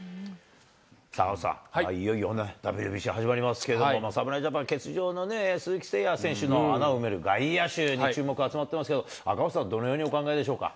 赤星さん、いよいよＷＢＣ始まりますけども、侍ジャパン、欠場の鈴木誠也選手の穴を埋める外野手に注目が集まってますけど、赤星さん、どのようにお考えでしょうか。